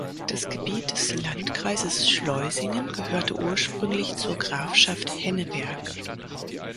Das Gebiet des Landkreises Schleusingen gehörte ursprünglich zur Grafschaft Henneberg.